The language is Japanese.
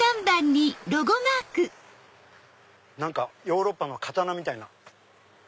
何かヨーロッパの刀みたいな。